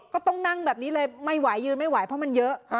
ก็ต้องนั่งแบบนี้เลยไม่ไหวยืนไม่ไหวเพราะมันเยอะ